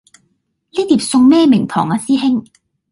呢碟餸咩名堂呀師兄